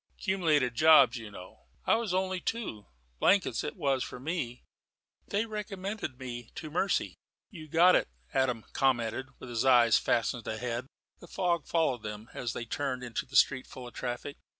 "'Cumulated jobs, you know." "I was only two. Blankets it was with me. They recommended me to mercy." "You got it," Adam commented, with his eyes fastened ahead. The fog followed them as they turned into a street full of traffic.